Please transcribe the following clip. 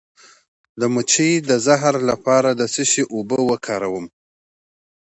د مچۍ د زهر لپاره د څه شي اوبه وکاروم؟